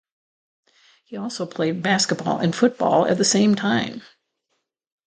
He also played basketball and football at the same time.